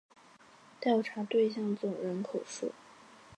调查对象总人口数